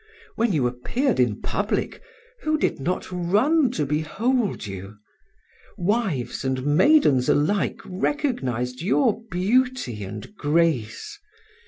When you appeared in public, who did not run to behold you? Wives and maidens alike recognized your beauty and grace.